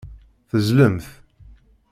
Teẓẓlemt.